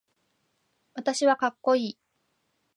私はかっこいい